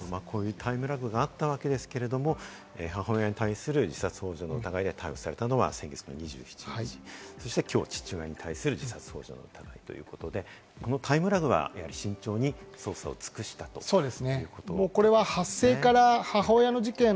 タイムラグがあったわけですが、母親に対する自殺ほう助の疑いで逮捕されたのは先月２７日、きょう父親に対する自殺ほう助の疑いということで、このタイムラグは慎重に捜査を尽くしたということなんですね。